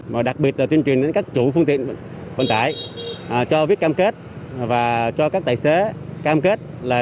mà đặc biệt là tuyên truyền đến các chủ phương tiện vận tải cho viết cam kết và cho các tài xế cam kết là